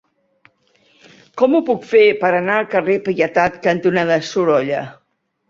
Com ho puc fer per anar al carrer Pietat cantonada Sorolla?